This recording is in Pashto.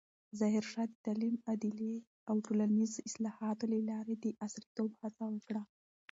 ظاهرشاه د تعلیم، عدلیې او ټولنیزو اصلاحاتو له لارې د عصریتوب هڅه وکړه.